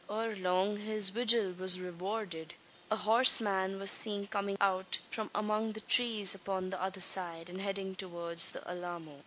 Ere long his vigil was rewarded. A horseman was seen coming out from among the trees upon the other side, and heading towards the Alamo.